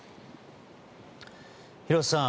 廣瀬さん